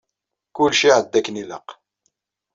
Kullec iɛedda akken ilaq.